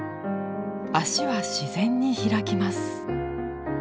脚は自然に開きます。